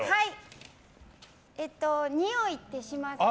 においってしますか？